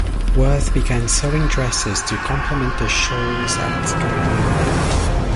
Worth began sewing dresses to complement the shawls at Gagelin.